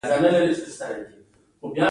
د قوي او ضعیفو ټکو تشخیص کیږي.